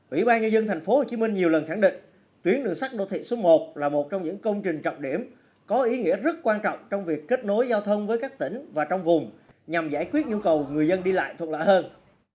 ủy ban nhân dân tp hcm nhiều lần khẳng định tuyến đường sắt đô thị số một là một trong những công trình trọng điểm có ý nghĩa rất quan trọng trong việc kết nối giao thông với các tỉnh và trong vùng nhằm giải quyết nhu cầu người dân đi lại thuận lợi hơn